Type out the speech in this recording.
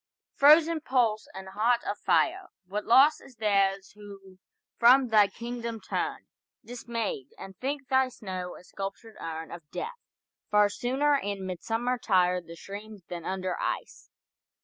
frozen pulse and heart of fire, What loss is theirs who from thy kingdom turn Dismayed, and think thy snow a sculptured urn Of death! Far sooner in midsummer tire The streams than under ice.